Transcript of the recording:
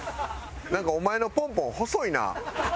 なんかお前のポンポン細いな。